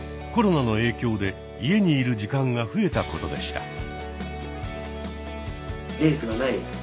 コロナの影響で家にいる時間が増えたことでした。